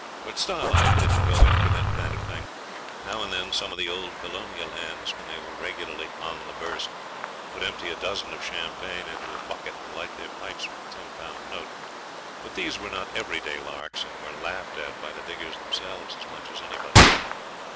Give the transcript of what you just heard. But Starlight didn't go in for that kind of thing. Now and then some of the old colonial hands, when they were regularly 'on the burst', would empty a dozen of champagne into a bucket or light their pipes with a ten pound note. But these were not everyday larks, and were laughed at by the diggers themselves as much as anybody.